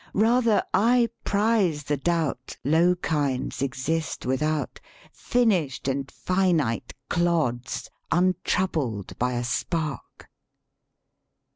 Rather I prize the doubt Low kinds exist without, Finished and finite clods, untroubled by spark.